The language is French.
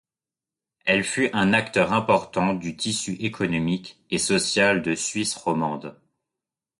Elle fut un acteur important du tissu économique et social de Suisse romande.